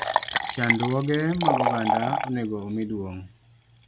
Chandruoge mag oganda onego omi duong`.